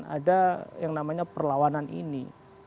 ada yang namanya perlawanan ini